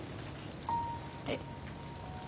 えっ。